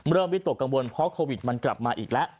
วิตกกังวลเพราะโควิดมันกลับมาอีกแล้ว